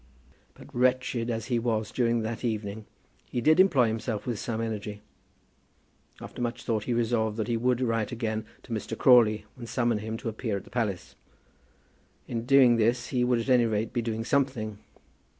But wretched as he was during that evening he did employ himself with some energy. After much thought he resolved that he would again write to Mr. Crawley, and summon him to appear at the palace. In doing this he would at any rate be doing something.